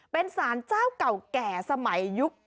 เป็นสารเจ้าเก่าแก่สมัยยุค๙